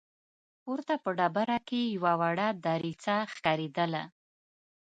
پورته په ډبرو کې يوه وړه دريڅه ښکارېدله.